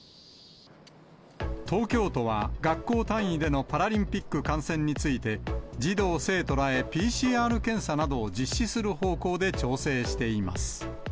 東京都は、学校単位でのパラリンピック観戦について、児童・生徒らへＰＣＲ検査などを実施する方向で調整しています。